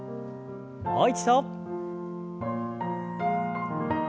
もう一度。